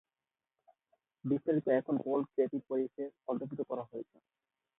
বিস্তারিত এখন Cold Kirby প্যারিশে অন্তর্ভুক্ত করা হয়েছে।